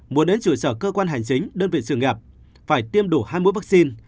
muốn đến chủ sở cơ quan hành chính đơn vị sự nghiệp phải tiêm đủ hai mũi vaccine